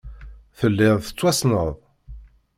Telliḍ tettwassneḍ